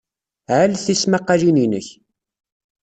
Ɛall tismaqalin-inek!